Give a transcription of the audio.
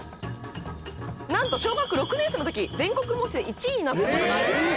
なんと小学６年生の時全国模試で１位になった事があるそうです。